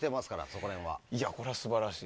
これは素晴らしい。